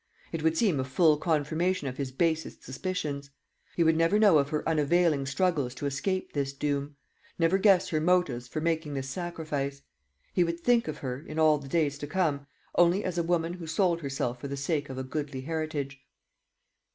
It would seem a full confirmation of his basest suspicions. He would never know of her unavailing struggles to escape this doom never guess her motives for making this sacrifice. He would think of her, in all the days to come, only as a woman who sold herself for the sake of a goodly heritage.